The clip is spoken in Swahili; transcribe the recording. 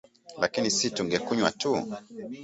“Lakini si tungekunywa tu